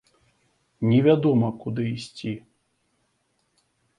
Не вядома, куды ісці.